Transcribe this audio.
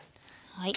はい。